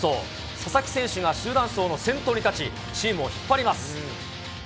佐々木選手が集団走の先頭に立ち、チームを引っ張ります。